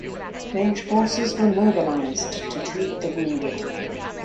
French forces were mobilized to treat the wounded.